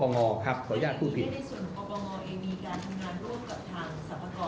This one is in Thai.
อเจมส์ในส่วนปปงมีการทำงานร่วมกับทางสรรพากรในเรื่องของการแชร์ข้อมูล